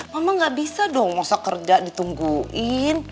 mama gak bisa dong masa kerja ditungguin